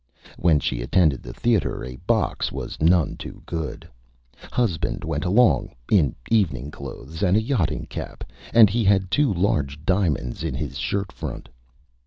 When she attended the theater a Box was none too good. Husband went along, in evening clothes and a Yachting Cap, and he had two large Diamonds in his Shirt Front.